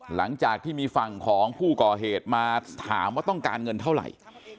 หลังจากที่มีฝั่งของผู้ก่อเหตุมาถามว่าต้องการเงินเท่าไหร่